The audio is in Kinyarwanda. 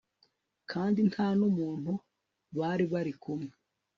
kandi ntanumuntu bari barikumwe